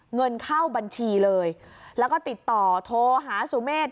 เงินเข้าบัญชีเลยแล้วก็ติดต่อโทรหาสุเมฆ